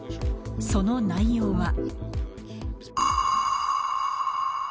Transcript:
その内容は。